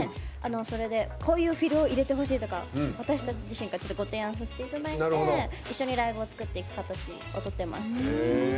それで、こういうフィルを入れてほしいとか私たち自身がご提案させていただいて一緒にライブを作っていく形をとっています。